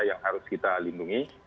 yang harus kita lindungi